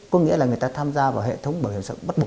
có nghĩa là người ta tham gia vào hệ thống bảo hiểm xã hội bất bổ